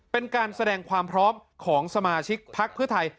เป็นการแสดงความพร้อมของสมาชิกพักเพื่อไทย